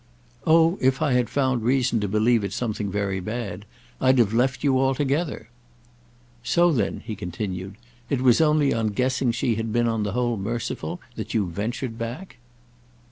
"Oh if I had found reason to believe it something very bad I'd have left you altogether." "So then," he continued, "it was only on guessing she had been on the whole merciful that you ventured back?"